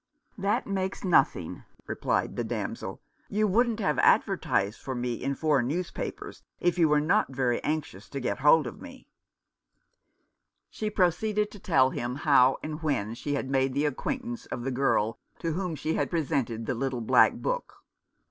"That makes nothing," replied the damsel. "You wouldn't have advertised for me in four newspapers if you were not very anxious to get hold of me." 261 Rough Justice. She proceeded , to tell him how and when she had made the acquaintance of the girl to whom she had presented the little black book.